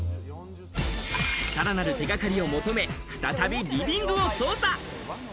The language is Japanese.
さらなる手掛かりを求め、再びリビングを捜査。